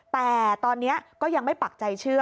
แต่ตอนนี้ก็ยังไม่ปักใจเชื่อ